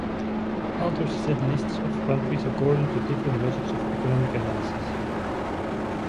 Authors set lists of countries accordingly to different methods of economic analysis.